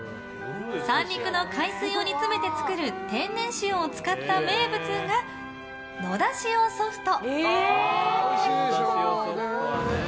三陸の海水を煮詰めて作る天然塩を使った名物がのだ塩ソフト。